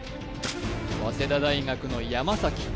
早稲田大学の山